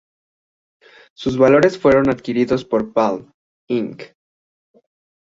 Sus valores fueron adquiridos por Palm, Inc.